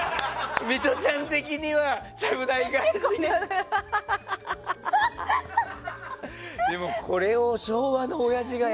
ミトちゃん的にはちゃぶ台返しが。